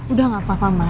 udah gak apa apa ma